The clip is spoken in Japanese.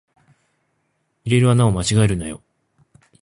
入れる穴を間違えるなよ